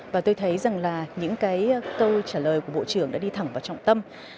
và tôi thấy rằng là những cái câu trả lời của bộ trưởng đã đi thẳng vào trọng tâm